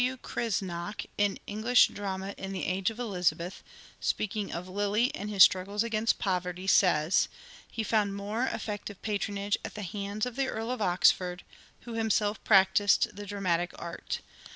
W. Creizenach, in " English Drama in the age of Elizabeth," speaking of Lyly and his struggles against poverty, says, " He found more effective patronage at the hands of the Earl of Oxford, who himself practised the dramatic art.